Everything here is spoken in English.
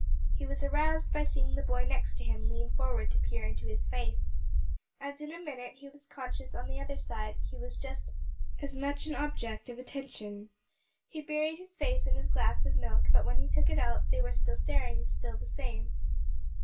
He was aroused by seeing the boy next to him lean forward to peer into his face. And in a minute he was conscious that on the other side he was just as much of an object of attention. He buried his face in his glass of milk; but when he took it out, they were staring still the same.